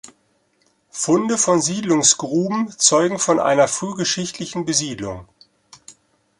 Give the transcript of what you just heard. Funde von Siedlungsgruben zeugen von einer frühgeschichtlichen Besiedlung.